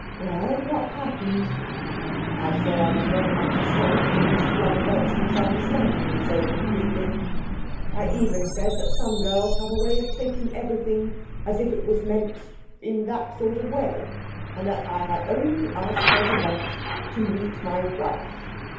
Well, what happened?' 'I said that I was very much astonished at Miss Flummerfelt's misunderstanding me so completely. I even said that some girls have a way of taking everything as if it was meant in that sort of way, and that I had only asked her to lunch to meet my wife.